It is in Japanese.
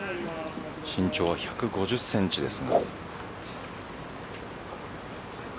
身長は１５０センチです。